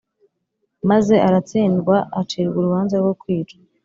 maze aratsindwa acirwa urubanza rwo kwicwa,